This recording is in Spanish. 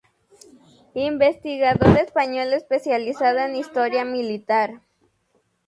Investigador español especializado en Historia Militar.